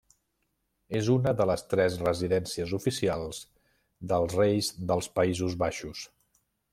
És una de les tres residències oficials dels Reis dels Països Baixos.